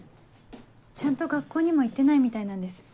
ちゃんと学校にも行ってないみたいなんです。